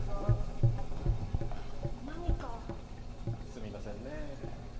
すみませんねぇ。